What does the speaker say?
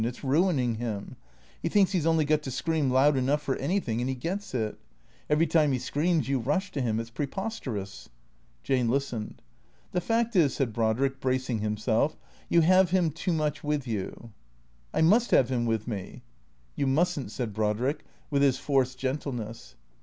It's ruining him. He thinks he 's only got to scream loud enough for anything and he gets it. T H E C R E A T 0 E S 415 Every time he screams you rush to him. It 's preposterous." Jane listened. " The fact is," said Brodrick, bracing himself, " you have him too much with you." " I must have him with me." " You must n't," said Brodrick, with his forced gentleness.